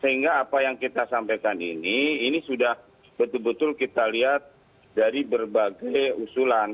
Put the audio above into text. sehingga apa yang kita sampaikan ini ini sudah betul betul kita lihat dari berbagai usulan